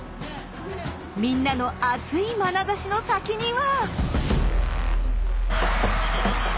みんなの熱いまなざしの先には。